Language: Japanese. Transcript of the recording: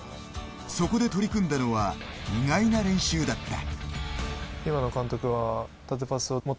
そこで取り組んだのは意外な練習だった。